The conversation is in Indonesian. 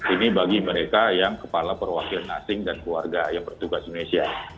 ini bagi mereka yang kepala perwakilan asing dan keluarga yang bertugas di indonesia